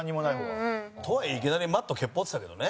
山崎：とはいえ、いきなりマット蹴っ放ってたけどね。